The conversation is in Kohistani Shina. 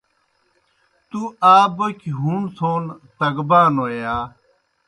تُوْ آ بوکیْ ہُوݨ تھون تگبانوئے یا؟